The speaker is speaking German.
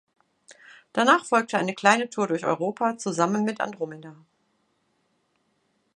Danach folgte eine kleine Tour durch Europa zusammen mit Andromeda.